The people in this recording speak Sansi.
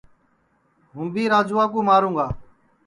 ہوں بھی راجوا کُو ماروں گا